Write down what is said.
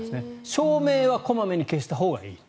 照明は小まめに消したほうがいい。